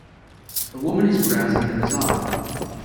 A woman is browsing in a bazaar